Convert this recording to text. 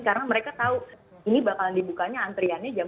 karena mereka tahu ini bakal dibukanya antriannya jam tujuh belas